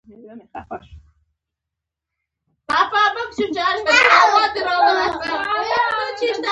په افغانستان کې مزارشریف شتون لري.